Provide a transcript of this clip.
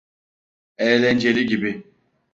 Eğlenceli gibi.